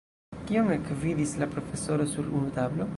Kion ekvidis la profesoro sur unu tablo?